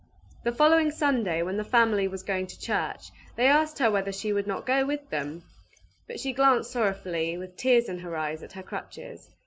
The following Sunday, when the family was going to church, they asked her whether she would not go with them; but she glanced sorrowfully, with tears in her eyes, at her crutches.